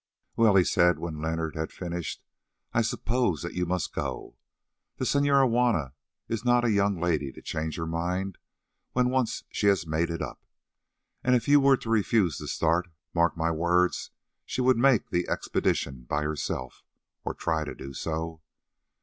"Well," he said, when Leonard had finished, "I suppose that you must go. The Senora Juanna is not a young lady to change her mind when once she has made it up, and if you were to refuse to start, mark my words, she would make the expedition by herself, or try to do so.